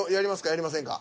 やりませんか？